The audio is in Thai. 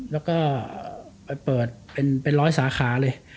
และก็เปิดเป็นเป็นร้อยสาขาเลย